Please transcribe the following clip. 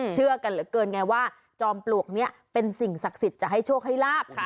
เชื่อกันเหลือเกินไงว่าจอมปลวกนี้เป็นสิ่งศักดิ์สิทธิ์จะให้โชคให้ลาบ